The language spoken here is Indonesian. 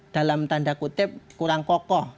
dalam tanda kutip kurang kokoh